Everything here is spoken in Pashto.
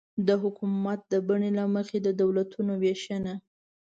د حکومت د بڼې له مخې د دولتونو وېشنه